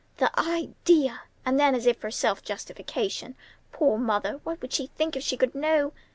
"The idea!" And then as if for self justification: "Poor mother! What would she think if she could know?